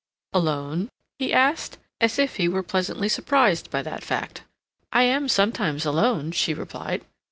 "Alone?" he said, as if he were pleasantly surprised by that fact. "I am sometimes alone," she replied.